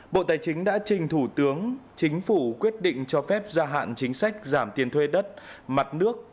bộ tài chính đã trình thủ tướng chính phủ quyết định cho phép gia hạn chính sách giảm tiền thuê đất mặt nước